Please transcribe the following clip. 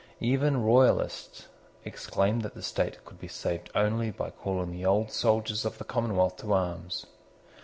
Even Royalists exclaimed that the state could be saved only by calling the old soldiers of the Commonwealth to arms.